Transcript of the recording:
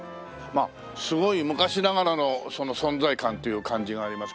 まあすごい昔ながらの存在感という感じがありますけど